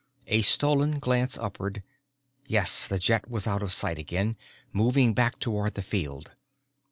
A stolen glance upward yes, the jet was out of sight again, moving back toward the field.